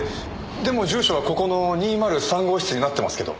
でも住所はここの２０３号室になってますけど。